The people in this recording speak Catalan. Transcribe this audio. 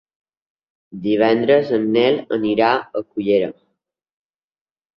Divendres en Nel anirà a Cullera.